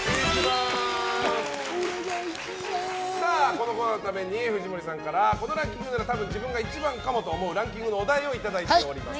このコーナーのために藤森さんからこのランキングなら多分自分が１番かもと思うランキングのお題をいただいております。